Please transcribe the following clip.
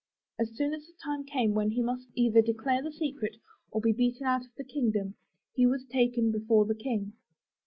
As soon as the time came when he must either declare the secret, or be beaten out of the kingdom, he was taken before the King.